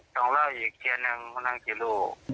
ต้องรออีกทีนึงต้องกินลูก